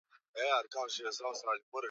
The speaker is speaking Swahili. Kupingana hatuna, sote ni wakenya.